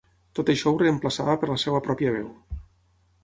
Tot això ho reemplaçava per la seva pròpia veu.